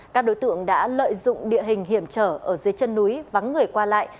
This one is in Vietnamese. các đối tượng đã lợi dụng địa hình hiểm trở ở dưới chân núi vắng người qua lại